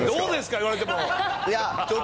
言われても。